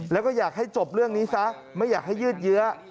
แล้วก็อยากให้จบเรื่องนี้ซะไม่อยากให้ยืดเยื้อ